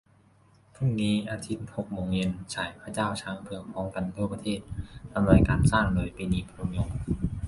พรุ่งนี้ อาทิตย์ หกโมงเย็น ฉาย "พระเจ้าช้างเผือก" พร้อมกันทั่วประเทศ อำนวยการสร้างโดย ปรีดี พนมยงค์